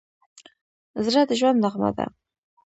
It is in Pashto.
زړه د ژوند نغمه ده.